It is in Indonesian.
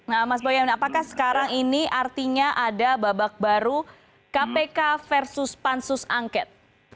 nah mas boyamin apakah sekarang ini artinya ada babak baru kpk versus pansus angket